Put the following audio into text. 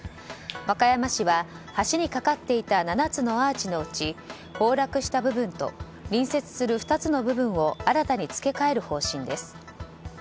和歌山市は、橋に架かっていた７つのアーチのうち崩落した部分と隣接する２つの部分を新たに付け替える方針です。